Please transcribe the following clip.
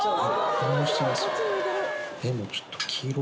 反応してますよ。